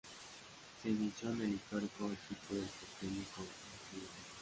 Se inició en el histórico equipo del Porteño como juvenil.